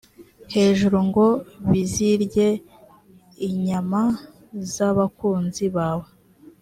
hejuru ngo bizirye inyama z abakunzi bawe